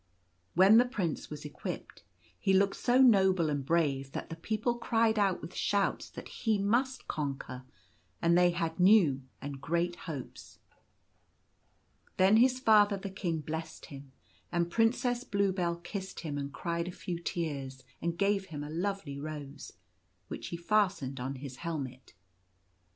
When the Prince was equipped, he looked so noble and brave that the people cried out with shouts that he must conquer ; and they had new and great hopes. Then his father, the King, blessed him, and Prin cess Bluebell kissed him and cried a few tears and gave him a lovely rose, which he fastened on his helmet.